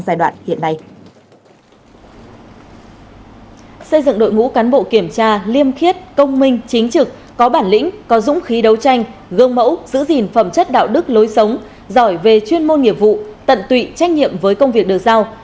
xây dựng đội ngũ cán bộ kiểm tra liêm khiết công minh chính trực có bản lĩnh có dũng khí đấu tranh gương mẫu giữ gìn phẩm chất đạo đức lối sống giỏi về chuyên môn nghiệp vụ tận tụy trách nhiệm với công việc được giao